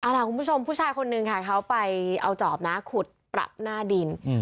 ล่ะคุณผู้ชมผู้ชายคนนึงค่ะเขาไปเอาจอบนะขุดปรับหน้าดิน